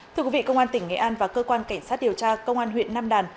thưa quý vị công an tỉnh nghệ an và cơ quan cảnh sát điều tra công an huyện nam đàn